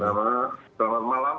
pertama tama selamat malam